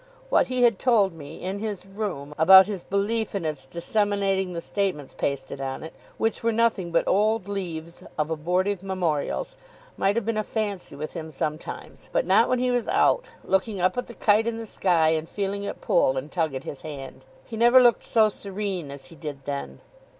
What he had told me, in his room, about his belief in its disseminating the statements pasted on it, which were nothing but old leaves of abortive Memorials, might have been a fancy with him sometimes; but not when he was out, looking up at the kite in the sky, and feeling it pull and tug at his hand. He never looked so serene as he did then.